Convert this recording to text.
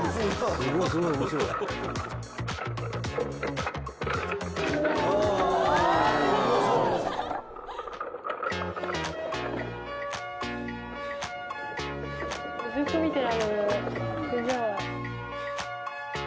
すごい。